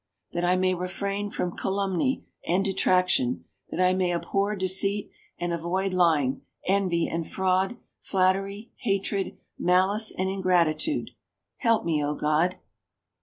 "That I may refrain from calumny and detraction; that I may abhor deceit, and avoid lying, envy and fraud, flattery, hatred, malice and ingratitude. Help me, O God!".